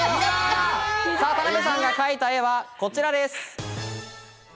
田辺さんが描いた絵はこちらです。